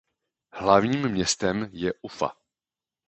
Hlavním městem je Ufa.